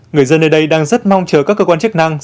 người dân nơi đây đang rất mong chờ các cơ quan chức năng